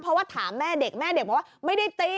เพราะว่าถามแม่เด็กแม่เด็กบอกว่าไม่ได้ตี